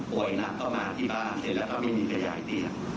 น้ำก็มาที่บ้านเสร็จแล้วก็ไม่มีขยายเตียง